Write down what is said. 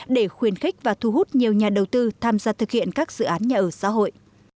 để khuyên khích và thu hút nhiều nhà đầu tư tham gia thực hiện các dự án nhà ở xã hội